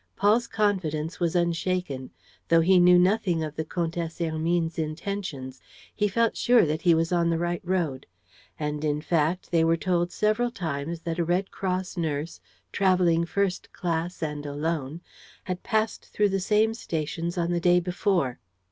Paul's confidence was unshaken. Though he knew nothing of the Comtesse Hermine's intentions, he felt sure that he was on the right road. And, in fact, they were told several times that a Red Cross nurse, traveling first class and alone, had passed through the same stations on the day before.